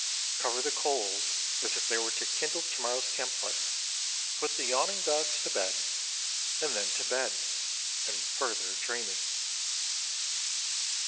Cover the coals as if they were to kindle to morrow's camp fire, put the yawning dogs to bed, and then to bed and further dreaming.